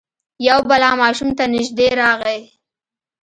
یو بلا ماشوم ته نژدې راغی.